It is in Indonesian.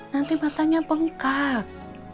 nanti matanya pengkak